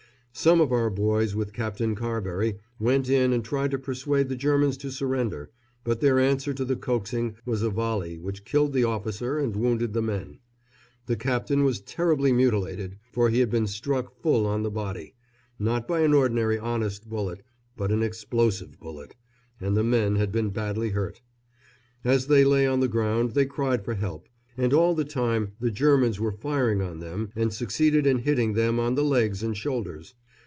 Some of our boys, with Captain Carbury, went in and tried to persuade the Germans to surrender, but their answer to the coaxing was a volley which killed the officer and wounded the men. The captain was terribly mutilated, for he had been struck full on the body, not by an ordinary honest bullet, but an explosive bullet, and the men had been badly hurt. As they lay on the ground they cried for help, and all the time the Germans were firing on them and succeeded in hitting them on the legs and shoulders.